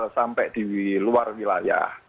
sampai di luar wilayah